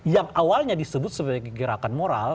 yang awalnya disebut sebagai gerakan moral